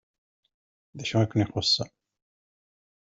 D acu i ken-ixuṣṣen?